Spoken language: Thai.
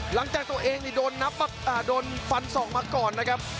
หลังจากตัวเองโดนฟันศอกมาก่อนนะครับ